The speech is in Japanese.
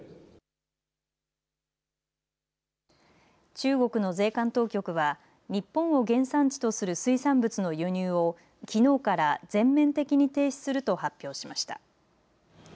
中国の税関当局は日本を原産地とする水産物の輸入をきのうから全面的に停止すると発表しました。